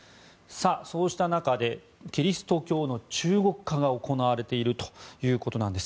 そうした中でキリスト教の中国化が行われているということなんです。